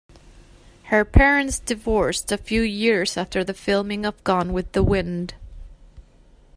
Her parents divorced a few years after the filming of "Gone With the Wind".